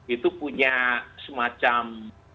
itu punya semacam